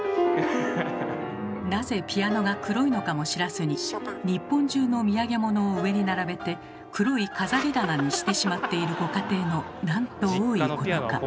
なぜピアノが黒いのかも知らずに日本中の土産物を上に並べて黒い飾り棚にしてしまっているご家庭のなんと多いことか。